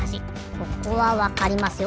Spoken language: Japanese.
ここはわかりますよ